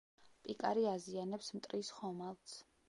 პიკარი აზიანებს მტრის ხომალდს.